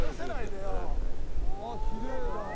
ああきれいだね。